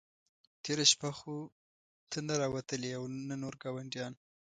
تېره شپه خو نه ته را وتلې او نه نور ګاونډیان.